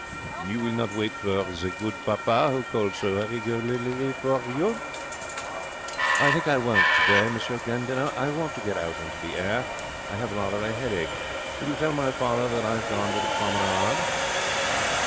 'You will not wait for the good papa who calls so regularly for you?' 'I think I won't today, M. Gandinot. I want to get out into the air. I have rather a headache. Will you tell my father I have gone to the Promenade?'